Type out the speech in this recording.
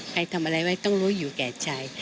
ใครทำอะไรไว้ต้องรู้อยู่แก่ใจ